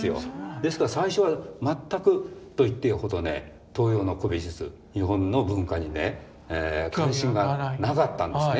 ですから最初は全くといっていいほどね東洋の古美術日本の文化にね関心がなかったんですね。